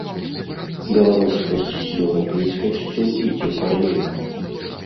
Беларускасць з еўрапейскасцю ідзе паралельна.